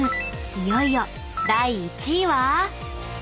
［いよいよ第１位は］